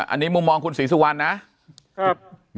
อันนี้มุมมองคุณศรีสุวรรณนะครับ